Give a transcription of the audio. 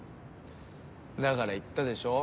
だから言ったでしょ？